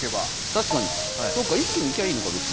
確かにそっか一気に行きゃいいのか。